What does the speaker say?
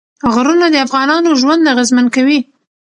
غرونه د افغانانو ژوند اغېزمن کوي.